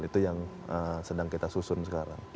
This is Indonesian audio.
itu yang sedang kita susun sekarang